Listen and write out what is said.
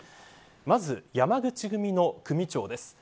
まず、山口組の組長です。